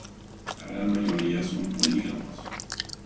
La gran mayoría son polígamos.